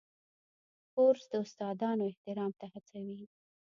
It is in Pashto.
کورس د استادانو احترام ته هڅوي.